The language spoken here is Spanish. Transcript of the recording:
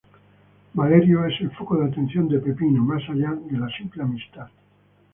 Valerio es el foco de atención de Peppino, más allá de la simple amistad.